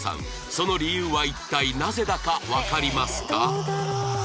その理由は一体なぜだかわかりますか？